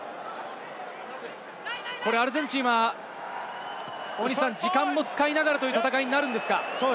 アルゼンチンは大西さん、時間も使いながらという戦いになるんですか？